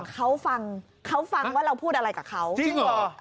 เขาฟังเขาฟังว่าเราพูดอะไรกับเขาจริงเหรอ